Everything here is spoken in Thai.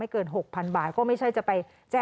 ไม่เป็นไรค่ะก็เป็นคนดีค่ะ